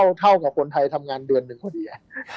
เท่ากับคนไทยทำงานเดือนหนึ่งก็ดี